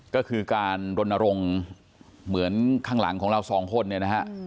ก็คือการรณรงค์เหมือนข้างหลังของเราสองคนเนี่ยนะฮะ